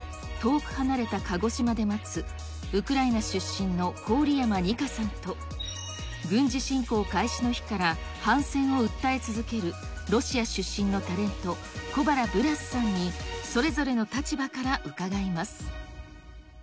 母たちの避難を遠く離れた鹿児島で待つ、ウクライナ出身の郡山虹夏さんと、軍事侵攻開始の日から反戦を訴え続けるロシア出身のタレント、小原ブラスさんにそれぞれの立場から伺います。